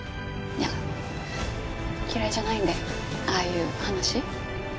いや嫌いじゃないんでああいう話。